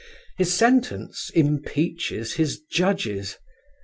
His sentence impeaches his judges.